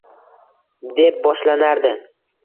deb boshlanardi